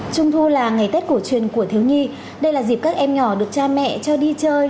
trung thu là ngày tết cổ truyền của thiếu nhi đây là dịp các em nhỏ được cha mẹ cho đi chơi